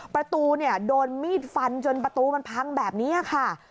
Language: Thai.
ประตูโดนมีดฟันจนประตูมันพังแบบนี้ค่ะ